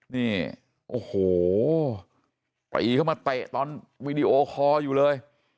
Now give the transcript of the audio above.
นี่โอ้โหปรีเข้ามาเตะตอนวีดีโอคอร์อยู่เลย